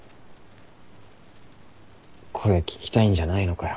声聞きたいんじゃないのかよ。